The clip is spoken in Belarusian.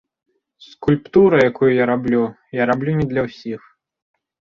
Скульптура, якую я раблю, я раблю не для ўсіх.